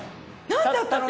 何だったの？